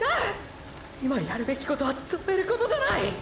今やるべきことは止めることじゃない！！